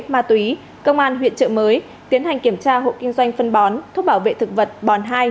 ma túy công an huyện trợ mới tiến hành kiểm tra hộ kinh doanh phân bón thuốc bảo vệ thực vật bòn hai